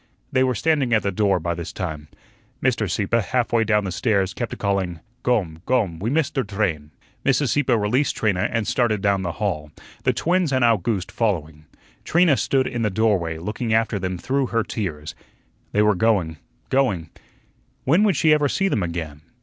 They were standing at the door by this time. Mr. Sieppe, half way down the stairs, kept calling "Gome, gome, we miss der drain." Mrs. Sieppe released Trina and started down the hall, the twins and Owgooste following. Trina stood in the doorway, looking after them through her tears. They were going, going. When would she ever see them again?